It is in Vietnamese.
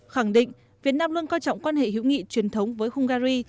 khẳng định việt nam luôn coi trọng quan hệ hữu nghị truyền thống với hungary